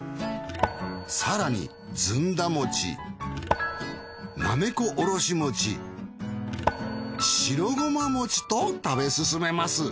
更にずんだ餅なめこおろし餅白胡麻餅と食べ進めます。